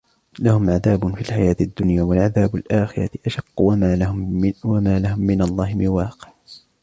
لهم عذاب في الحياة الدنيا ولعذاب الآخرة أشق وما لهم من الله من واق